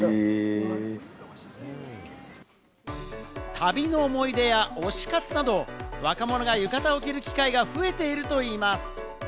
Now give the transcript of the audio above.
旅の思い出や推し活など、若者が浴衣を着る機会が増えているといいます。